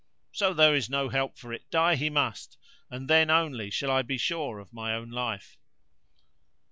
So there is no help for it; die he must, and then only shall I be sure of my own life."